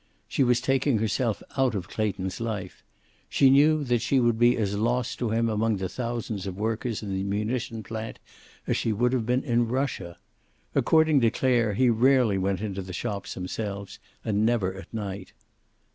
She was taking herself out of Clayton's life. She knew that she would be as lost to him among the thousands of workers in the munition plant as she would have been in Russia. According to Clare, he rarely went into the shops themselves, and never at night.